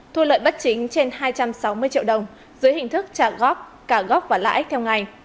thu lợi bất chính trên hai trăm sáu mươi triệu đồng dưới hình thức trả góp cả góp và lãi theo ngày